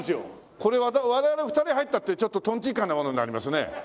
これ我々２人入ったってちょっととんちんかんな事になりますね。